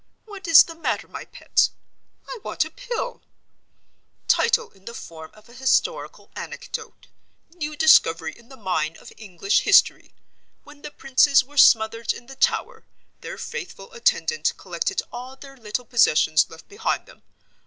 'What is the matter, my pet?' 'I want a little Pill.' Title in the form of a Historical Anecdote: 'New Discovery in the Mine of English History. When the Princes were smothered in the Tower, their faithful attendant collected all their little possessions left behind them.